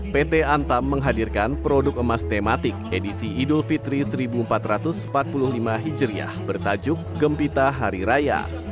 pt antam menghadirkan produk emas tematik edisi idul fitri seribu empat ratus empat puluh lima hijriah bertajuk gempita hari raya